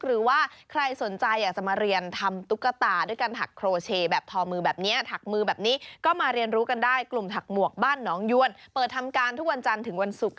หรือว่าใครสนใจอยากจะมาเรียนทำตุ๊กตาด้วยการถักโครเช